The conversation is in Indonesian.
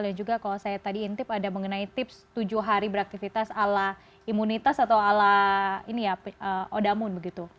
dan juga kalau saya tadi intip ada mengenai tips tujuh hari beraktivitas ala imunitas atau ala ini ya odamun begitu